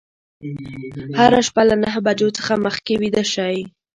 هره شپه له نهه بجو څخه مخکې ویده شئ.